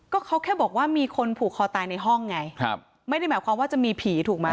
ก็เขาแค่บอกว่ามีคนผูกคอตายในห้องไงครับไม่ได้หมายความว่าจะมีผีถูกไหม